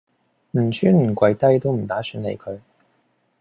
唔穿唔跪低都唔打算理佢